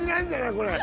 これ。